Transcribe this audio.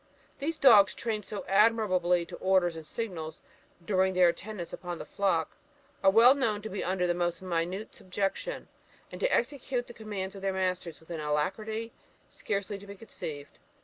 These dogs, trained so admirably to orders and signals during their attendance upon the flock, are well known to be under the most minute subjection, and to execute the commands of their masters with an alacrity scarcely to be conceived.